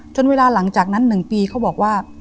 เวลาหลังจากนั้น๑ปีเขาบอกว่า